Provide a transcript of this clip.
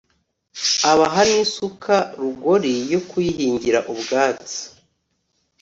abaha n’isuka rugori yo kuyihingira ubwatsi